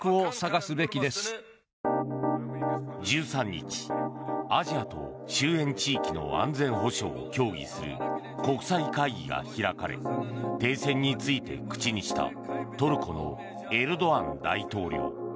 １３日、アジアと周辺地域の安全保障を協議する国際会議が開かれ停戦について口にしたトルコのエルドアン大統領。